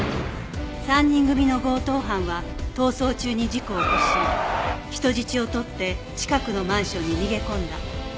３人組の強盗犯は逃走中に事故を起こし人質をとって近くのマンションに逃げ込んだ